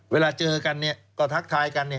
เวลาเจอกันก็ทักทายกัน